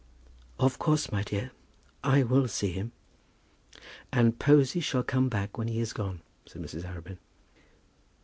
"Of course, my dear, I will see him." "And Posy shall come back when he has gone," said Mrs. Arabin.